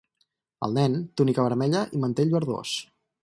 El Nen, túnica vermella i mantell verdós.